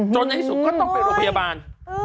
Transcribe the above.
ในที่สุดก็ต้องไปโรงพยาบาล